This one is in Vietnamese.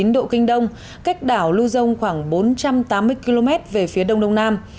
một trăm hai mươi năm chín độ kinh đông cách đảo lưu dông khoảng bốn trăm tám mươi km về phía đông đông nam